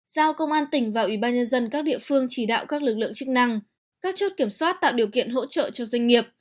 giao công an tỉnh và ủy ban nhân dân các địa phương chỉ đạo các lực lượng chức năng các chốt kiểm soát tạo điều kiện hỗ trợ cho doanh nghiệp